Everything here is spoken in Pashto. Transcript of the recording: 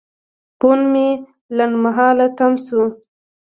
فون مې لنډمهاله تم شو.